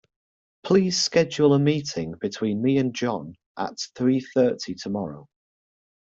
Please schedule a meeting between me and John at three thirty tomorrow.